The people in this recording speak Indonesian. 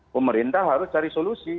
pemerintah harus cari solusi